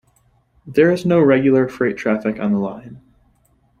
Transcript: There is no regular freight traffic on the line.